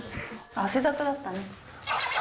汗だくだった。